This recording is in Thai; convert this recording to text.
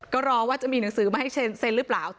ก็รอว่าจะมีหนังสือมาให้เซ็นหรือเปล่า